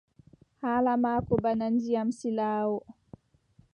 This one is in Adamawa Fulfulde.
Haala maako bana ndiyam silaawo.